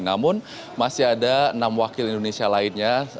namun masih ada enam wakil indonesia lainnya